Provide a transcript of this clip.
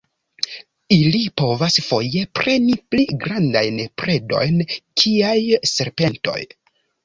Ili povas foje preni pli grandajn predojn kiaj serpentoj.